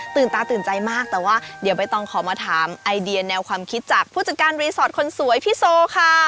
ตาตื่นใจมากแต่ว่าเดี๋ยวใบตองขอมาถามไอเดียแนวความคิดจากผู้จัดการรีสอร์ทคนสวยพี่โซค่ะ